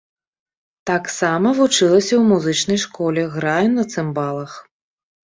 Таксама вучылася ў музычнай школе, граю на цымбалах.